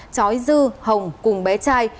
chói dư hồng cùng bé trai